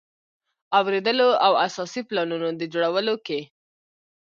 اوریدلو او اساسي پلانونو د جوړولو کې.